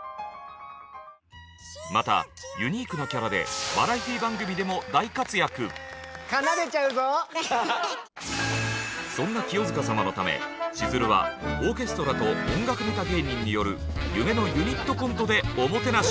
またユニークなキャラでそんな清塚様のためしずるはオーケストラと音楽ネタ芸人による夢のユニットコントでおもてなし。